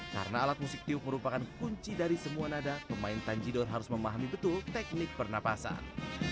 karena alat musik tiup merupakan kunci dari semua nada pemain tanjidor harus memahami betul teknik pernapasan